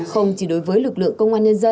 không chỉ đối với lực lượng công an nhân dân